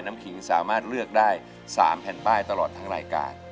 ขิงสามารถเลือกได้๓แผ่นป้ายตลอดทั้งรายการ